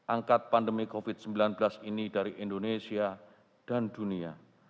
angkat pandemi covid sembilan belas ini dari indonesia dan dunia